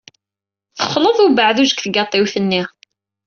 Texleḍ abeɛduj deg tgaṭiwt-nni.